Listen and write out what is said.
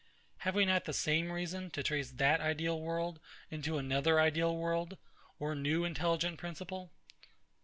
Have we not the same reason to trace that ideal world into another ideal world, or new intelligent principle?